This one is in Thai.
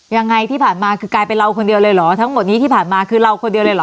ยังไงที่ผ่านมาคือกลายเป็นเราคนเดียวเลยเหรอทั้งหมดนี้ที่ผ่านมาคือเราคนเดียวเลยเหรอ